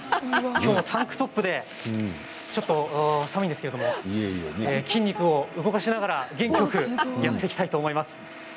きょうもタンクトップでちょっと寒いんですけれども筋肉を動かしながら元気よくやっていきたいと思います。